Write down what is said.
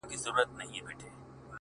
دلته مستي ورانوي دلته خاموشي ورانوي;